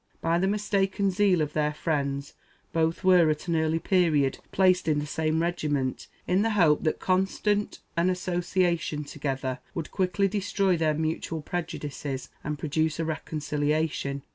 By the mistaken zeal of their friends both were, at an early period, placed in the same regiment, in the hope that constant as association together would quickly destroy their mutual prejudices, and produce a reconciliation.